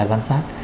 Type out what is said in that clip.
các cái quan sát